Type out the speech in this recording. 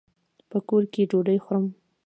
په کور کي ډوډۍ خورم.